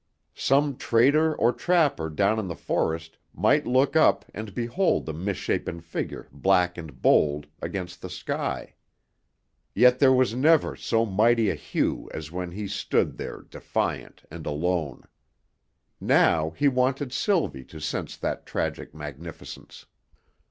Some trader or trapper down in the forest might look up and behold the misshapen figure black and bold, against the sky. Yet there was never so mighty a Hugh as when he stood there defiant and alone. Now he wanted Sylvie to sense that tragic magnificence.